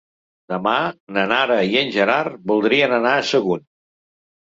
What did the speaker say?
Demà na Nara i en Gerard voldrien anar a Sagunt.